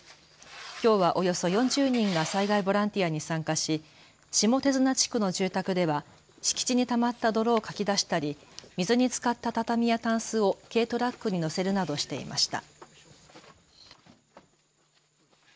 きょうはおよそ４０人が災害ボランティアに参加し下手綱地区の住宅では敷地にたまった泥をかき出したり水につかった畳やたんすを軽トラックに載せるなどしていました。